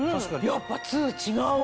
やっぱ「２」違うわ！